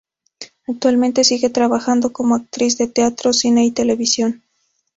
Actualmente sigue trabajando como actriz de teatro, cine y televisión.